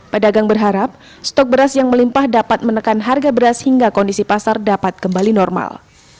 pedagang berharap stok beras yang melimpah dapat menekan harga beras hingga kondisi pasar dapat kembali normal